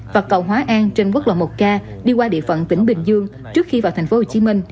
và cầu hóa an trên quốc lộ một k đi qua địa phận tỉnh bình dương trước khi vào tp hcm